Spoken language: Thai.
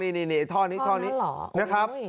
นี่นี่นี่ท่อนี้ท่อนี้นะครับ